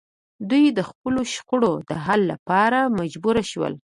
دوی د خپلو شخړو د حل لپاره مجبور شول